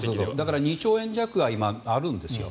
２兆円弱は今、あるんです。